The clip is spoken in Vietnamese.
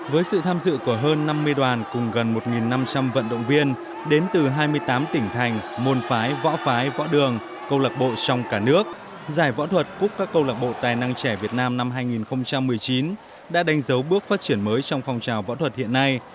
với sự tham dự của hơn năm mươi đoàn cùng gần một năm trăm linh vận động viên đến từ hai mươi tám tỉnh thành môn phái võ phái võ đường câu lạc bộ trong cả nước giải võ thuật cúc các câu lạc bộ tài năng trẻ việt nam năm hai nghìn một mươi chín đã đánh dấu bước phát triển mới trong phong trào võ thuật hiện nay